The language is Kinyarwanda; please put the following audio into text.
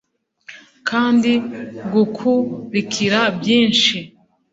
kandi gukurikira byinshi